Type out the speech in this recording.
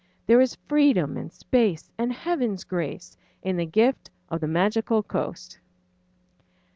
There is freedom and space and Heaven's grace In the gift of the Magical Coast.